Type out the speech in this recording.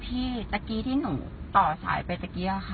ค่ะพี่ตะกี้ที่หนูต่อสายไปตะกี้อะค่ะ